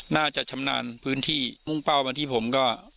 น่าจะชำนาญพื้นที่มุ่งเป้าวันที่ผมก็